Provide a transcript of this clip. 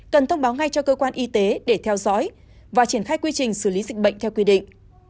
cần thông báo ngay cho cơ quan y tế để theo dõi và triển khai quy trình xử lý dịch bệnh theo quy định